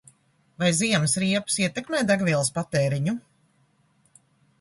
Vai ziemas riepas ietekmē degvielas patēriņu?